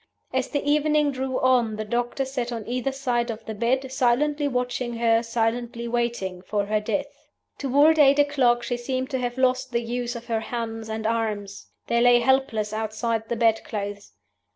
As the evening drew on the doctors sat on either side of the bed, silently watching her, silently waiting for her death. "Toward eight o'clock she seemed to have lost the use of her hands and arms: they lay helpless outside the bed clothes.